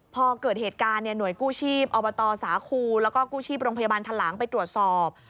พอเกิดเหตุการณ์หน่วยกู้ชีพอบตสาครูแล้วก็กู้ชีพโรงพยาบาลทะหลังไปตรวจสอบ